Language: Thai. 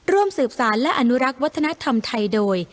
ร่วมสืบสารและอนุรักษ์วัฒนธรรมไทยโดย